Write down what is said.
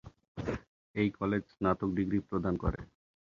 এই কলেজ স্নাতক ডিগ্রি প্রদান করে।